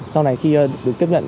sau này khi được tiếp nhận